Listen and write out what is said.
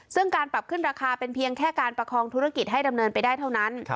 ซึ่งการปรับขึ้นราคาเป็นเพียงแค่การประคองธุรกิจให้ดำเนินไปได้เท่านั้น